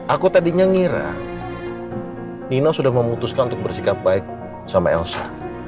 aku tadinya ngira nina sudah memutuskan untuk bersikap baik sama elsa